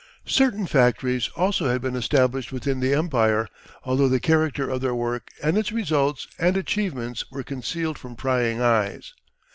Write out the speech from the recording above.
Certain factories also had been established within the Empire, although the character of their work and its results and achievements were concealed from prying eyes.